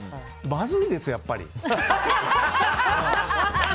まずいですよ、やっぱり。